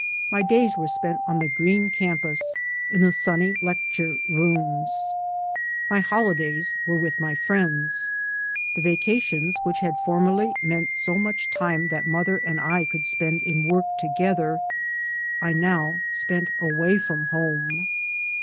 My days were spent on the green campus, in the sunny lecture rooms. My holidays were with my friends. The vaca tions which had formerly meant so much time that mother and I could spend in work together, I now spent away from home.